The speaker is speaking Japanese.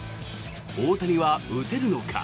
大谷は打てるのか？